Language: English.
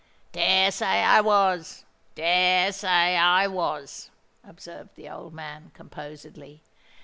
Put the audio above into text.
"Dare say I was—dare say I was," observed the old man, composedly.